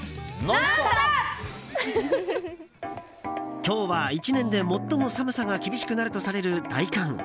今日は１年で最も寒さが厳しくなるとされる大寒。